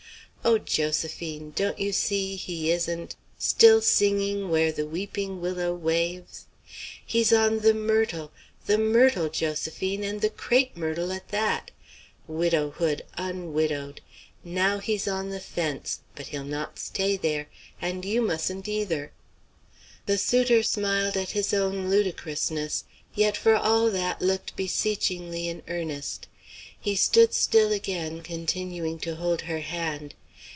O Josephine! don't you see he isn't 'Still singing where the weeping willow waves'? he's on the myrtle; the myrtle, Josephine, and the crape myrtle at that! widowhood unwidowed! Now he's on the fence but he'll not stay there, and you mustn't either!" The suitor smiled at his own ludicrousness, yet for all that looked beseechingly in earnest. He stood still again, continuing to hold her hand.